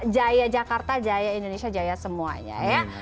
jaya jakarta jaya indonesia jaya semuanya ya